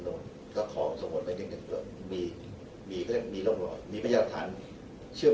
มันมีความเหลือไปได้ไหมครับที่เขาจบจมที่จะเลือกที่จะทำอะไรต่างกับ